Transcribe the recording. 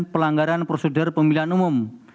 pelanggaran prosedur pemilihan umum